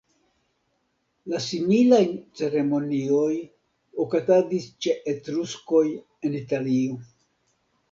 La similajn ceremonioj okazadis ĉe Etruskoj en Italio.